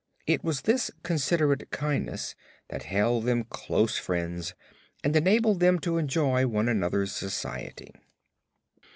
It was this considerate kindness that held them close friends and enabled them to enjoy one another's society.